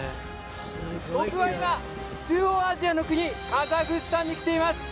僕は今中央アジアの国カザフスタンに来ています